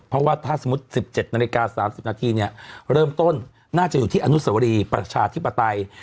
เพราะว่าถ้าสมมุติ๑๗นาฬิกา๓๐นาทีเนี่ยเริ่มต้นน่าจะอยู่ที่อนุสวรีประชาธิปไตย